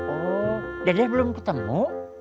oh dedeh belum ketemu